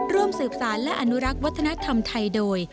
ร่วมสืบสารและอนุรักษ์วัฒนธรรมไทยโดย